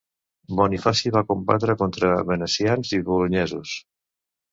Bonifaci va combatre contra venecians i bolonyesos.